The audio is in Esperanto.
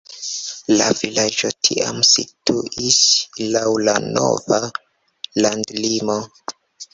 La vilaĝo tiam situis laŭ la nova landolimo.